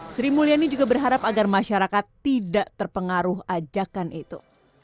sri mulyani juga berharap agar masyarakat tidak terpengaruh ajakan itu